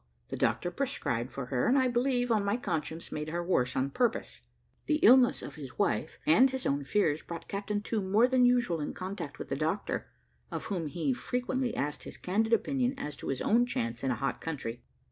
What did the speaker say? The doctor prescribed for her, and I believe, on my conscience, made her worse on purpose. The illness of his wife, and his own fears, brought Captain To more than usual in contact with the doctor, of whom he frequently asked his candid opinion, as to his own chance in a hot country.